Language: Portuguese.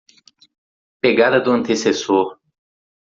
Pegada do antecessor